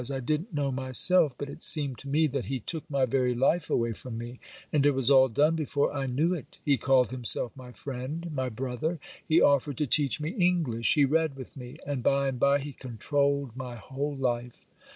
I didn't know myself, but it seemed to me that he took my very life away from me; and it was all done before I knew it. He called himself my friend—my brother—he offered to teach me English—he read with me, and by and by he controlled my whole life.